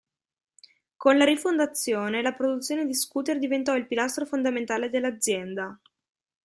Con la rifondazione, la produzione di scooter diventò il pilastro fondamentale dell'azienda.